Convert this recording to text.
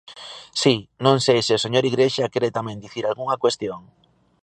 Si, non sei se o señor Igrexa quere tamén dicir algunha cuestión.